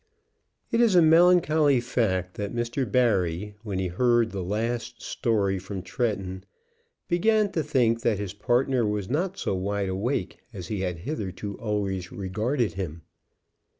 It is a melancholy fact that Mr. Barry, when he heard the last story from Tretton, began to think that his partner was not so wide awake as he had hitherto always regarded him.